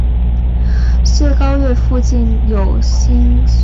穗高岳附近有新穗高温泉。